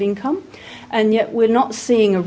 dan kita tidak melihat fokus yang benar